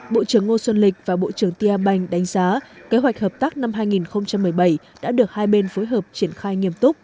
bộ trưởng ngô xuân lịch và bộ trưởng tia banh đánh giá kế hoạch hợp tác năm hai nghìn một mươi bảy đã được hai bên phối hợp triển khai nghiêm túc